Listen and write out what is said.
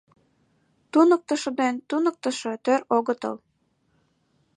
— Туныктышо ден туныктышо тӧр огытыл.